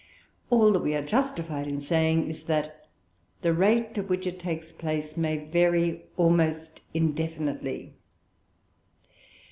All that we are justified in saying is that the rate at which it takes place may vary almost indefinitely.